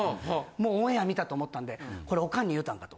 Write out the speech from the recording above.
もうオンエア見たと思ったんで「これオカンに言うたんか？」と。